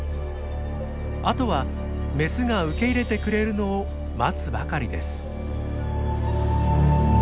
あとはメスが受け入れてくれるのを待つばかりです。